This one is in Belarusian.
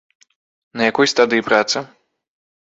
На якой стадыі праца?